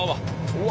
うわ